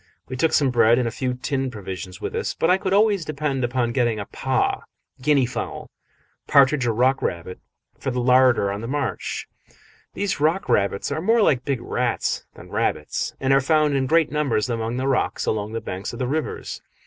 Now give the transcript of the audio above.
We took some bread and a few tinned provisions with us, but I could always depend upon getting a paa, guinea fowl, partridge or rock rabbit for the larder on the march. These rock rabbits are more like big rats than rabbits, and are found in great numbers among the rocks along the banks of the rivers.